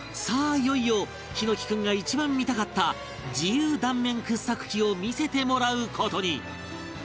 いよいよ枇乃樹君が一番見たかった自由断面掘削機を見せてもらう事に